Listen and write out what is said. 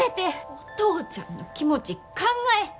お父ちゃんの気持ち考え。